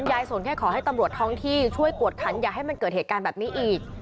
สนแค่ขอให้ตำรวจท้องที่ช่วยกวดขันอย่าให้มันเกิดเหตุการณ์แบบนี้อีก